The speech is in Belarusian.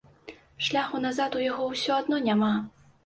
Шляху назад у яго ўсё адно няма.